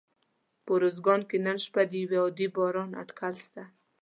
په اروزګان کي نن شپه د یوه عادي باران اټکل سته